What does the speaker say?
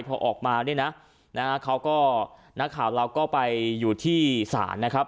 พอออกมานี่น่ะนะฮะเขาก็นักข่าวแล้วก็ไปอยู่ที่สารนะครับ